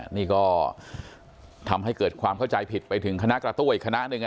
นี่ก็ทำให้เกิดความเข้าใจผิดไปถึงคณะกระตู้อีกคณะหนึ่ง